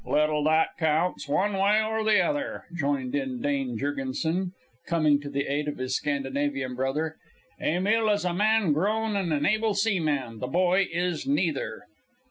"Little that counts, one way or the other," joined in Dane Jurgensen, coming to the aid of his Scandinavian brother. "Emil is a man grown and an able seaman; the boy is neither."